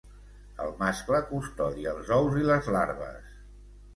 El mascle custodia els ous i les larves.